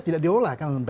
tidak diolah kan